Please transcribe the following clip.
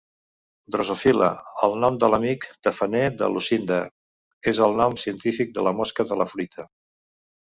Drosophila, el nom de "l'amic" tafaner de Lucinda, és el nom científic de la mosca de la fruita.